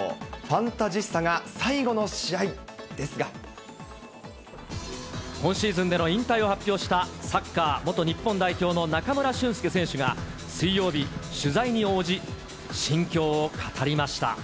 ファンタジスタが最後の試合です今シーズンでの引退を発表した、サッカー元日本代表の中村俊輔選手が水曜日、取材に応じ、心境を語りました。